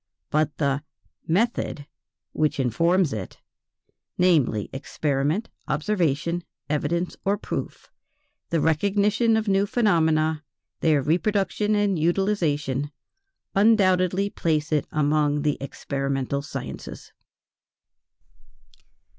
But the "method," which informs it namely, experiment, observation, evidence or proof, the recognition of new phenomena, their reproduction and utilization, undoubtedly place it among the experimental sciences.